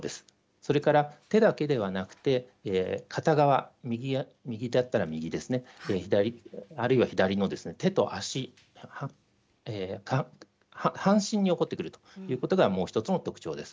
それから手だけではなくて片側右だったら右ですねあるいは左の手と足半身に起こってくるということがもう一つの特徴です。